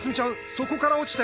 そこから落ちて。